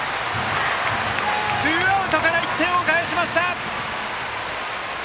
ツーアウトから１点を返しました！